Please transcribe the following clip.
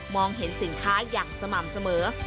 เห็นสินค้าอย่างสม่ำเสมอ